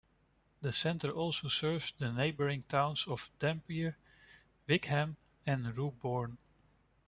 The centre also serves the neighbouring towns of Dampier, Wickham and Roebourne.